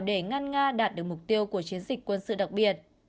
để ngăn nga đạt được mục tiêu của chiến dịch quân sự đặc biệt